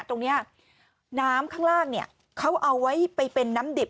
ตรงนี้น้ำข้างล่างเนี่ยเขาเอาไว้ไปเป็นน้ำดิบ